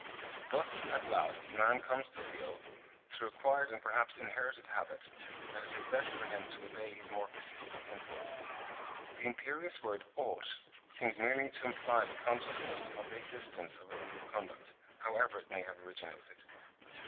Thus at last man comes to feel, through acquired and perhaps inherited habit, that it is best for him to obey his more persistent impulses. The imperious word "ought" seems merely to imply the consciousness of the existence of a rule of conduct, however it may have originated.